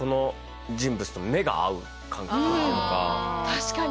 確かに。